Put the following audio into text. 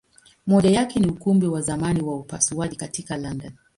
Moja yake ni Ukumbi wa zamani wa upasuaji katika London.